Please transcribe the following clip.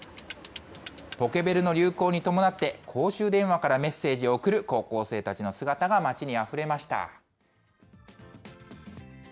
ポケベルの流行に伴って、公衆電話からメッセージを送る高校生たちの姿が街にあふれました。